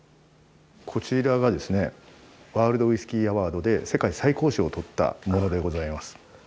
こちらがですねワールド・ウイスキー・アワードで世界最高賞を取ったものでございます。